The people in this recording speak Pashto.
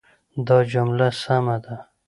دا جمله سمه ده.